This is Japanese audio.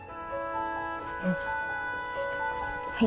はい。